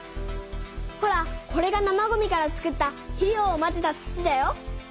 ほらこれが生ごみから作った肥料をまぜた土だよ。